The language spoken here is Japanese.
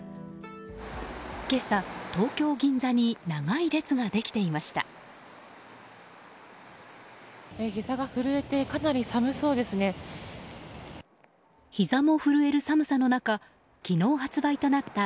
今朝、東京・銀座に長い列ができていました。